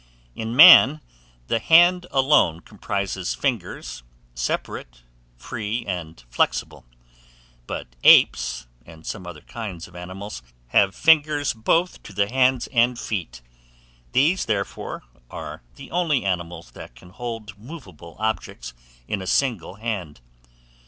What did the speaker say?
In Man, the hand alone comprises fingers, separate, free, and flexible; but Apes, and some other kinds of animals, have fingers both to the hands and feet. These, therefore, are the only animals that can hold movable objects in a single hand.